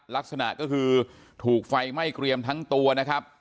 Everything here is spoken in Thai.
ลักษณะก็คือถูกไฟไหม้เกรียมทั้งตัวนะครับ